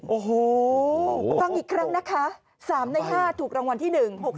โอ้โหฟังอีกครั้งนะคะ๓ใน๕ถูกรางวัลที่๑๖๖